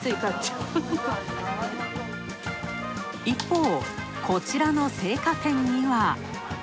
一方、こちらの青果店には。